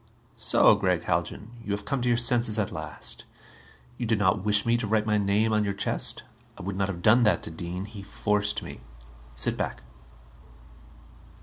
"So, Gregg Haljan? You have come to your senses at last. You do not wish me to write my name on your chest? I would not have done that to Dean; he forced me. Sit back."